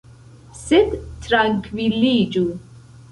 Sed trankviliĝu!